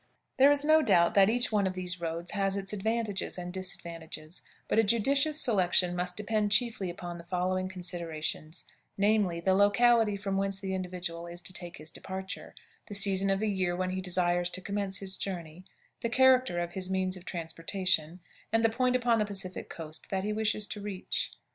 There is no doubt that each one of these roads has its advantages and disadvantages, but a judicious selection must depend chiefly upon the following considerations, namely, the locality from whence the individual is to take his departure, the season of the year when he desires to commence his journey, the character of his means of transportation, and the point upon the Pacific coast that he wishes to reach.